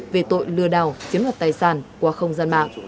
về tội lừa đảo chiếm đoạt tài sản qua không gian mạng